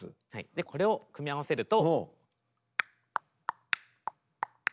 でこれを組み合わせると。